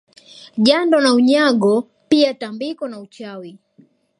Jando na Unyago pia tambiko na uchawi